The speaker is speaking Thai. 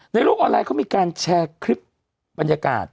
โลกออนไลน์เขามีการแชร์คลิปบรรยากาศ